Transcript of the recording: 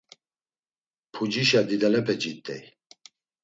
Pucişa didalepe cit̆ey.